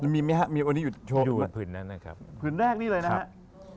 มีไหมครับมีคนที่หยุดโชว์นะครับพื้นแรกนี่เลยนะครับ